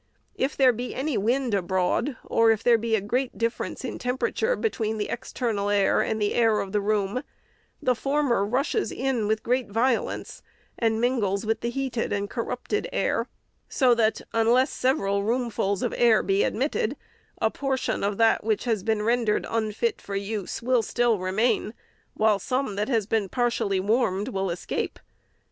If there be any wind abroad, or if there be a great dif ference in temperature between the external air and the air of the room, the former rushes in with great violence and mingles with the heated and corrupted air, so that, unless several roomfuls of air be admitted, a portion of 448 REPORT OP THE SECRETARY that which has been rendered unfit for use will still re main, while some that has been partially warmed will es cape.